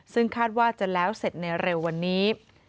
ซึ่งคาดว่าจะแล้วเสร็จในเร็ววันนี้